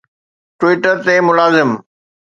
Twitter تي ملازم